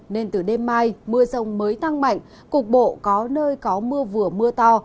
nên từ đêm mai mưa rông mới tăng mạnh cục bộ có nơi có mưa vừa mưa to